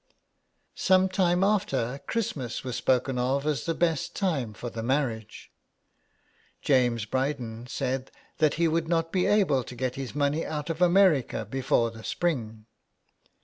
Some time after Christmas was spoken of as the best time for the marriage ; James Bryden said that he would not be able to get his money out of America before the spring.